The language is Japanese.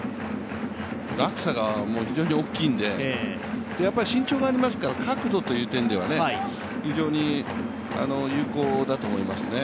落差が非常に大きいんで、身長がありますから角度という点では非常に有効だと思いますね。